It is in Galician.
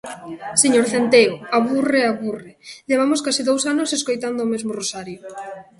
Señor Centeo, aburre, aburre... Levamos case dous anos escoitando o mesmo rosario.